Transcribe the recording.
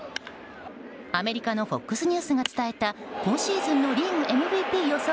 アメリカのＦＯＸニュースが伝えた今シーズンのリーグＭＶＰ予想